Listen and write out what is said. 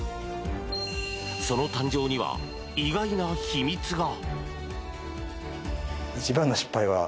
その誕生には意外な秘密が？